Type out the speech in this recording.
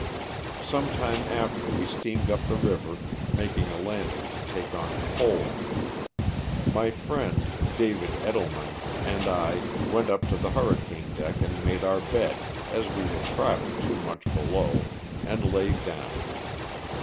Some time after we steamed up the river, making a landing to take on coal. My friend, David Ettleman, and 1 went up to the hurricane deck and made our bed, as we were crowded too much below, and laid down.